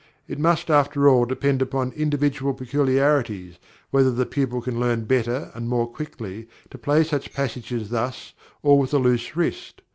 It must, after all, depend upon individual peculiarities whether the pupil can learn better and more quickly to play such passages thus or with a loose wrist.